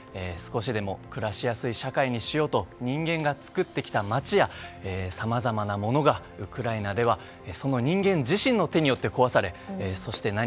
少しでも暮らしやすい社会にしようと人間が作ってきた街やさまざまなものがウクライナではその人間自身の手によって壊されそして